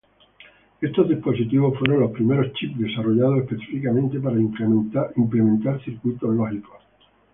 Estos dispositivos fueron los primeros chips desarrollados específicamente para implementar circuitos lógicos.